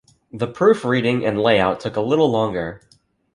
The proofreading and layout took a little longer.